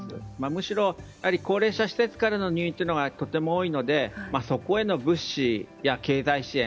むしろ、高齢者施設からの入院というのがとても多いのでそこへの物資や経済支援。